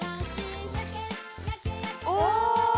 お！